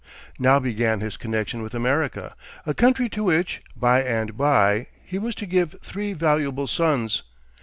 Now began his connection with America, a country to which, by and by, he was to give three valuable sons.